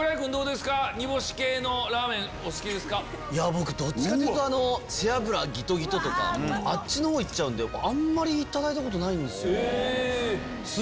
僕どっちかというと背脂ギトギトとかあっちの方いっちゃうんであんまりいただいたことないんですよ。